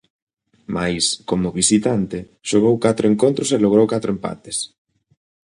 Mais, como visitante, xogou catro encontros e logrou catro empates.